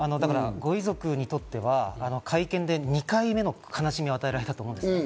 ご遺族にとっては会見で２回目の悲しみを与えられたと思うんですね。